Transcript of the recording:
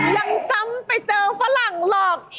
ยังซ้ำไปเจอฝรั่งหรอก